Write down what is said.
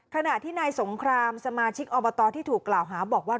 ขณะที่นายสงครามสมาชิกอบตที่ถูกกล่าวหาบอกว่า